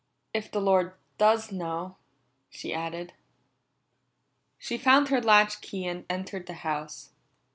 If the Lord does know," she added. She found her latch key and entered the house.